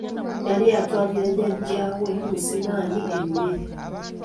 Yali atwalira Jjajja we Musimami emmere.